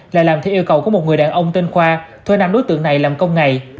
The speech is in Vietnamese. là làm theo yêu cầu của một người đàn ông tên khoa thuê năm đối tượng này làm công ngày